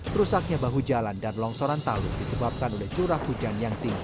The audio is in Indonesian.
kerusaknya bahu jalan dan longsoran talut disebabkan oleh curah hujan